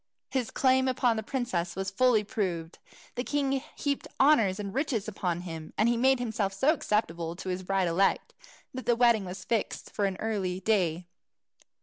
His claim to the princess was fully proved; the king heaped honours and riches upon him; and he made himself so acceptable to his bride elect, that the wedding was fixed for an early day.